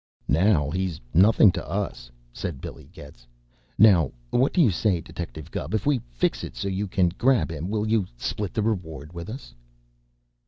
"Now, he's nothing to us," said Billy Getz. "Now, what do you say, Detective Gubb? If we fix it so you can grab him, will you split the reward with us?"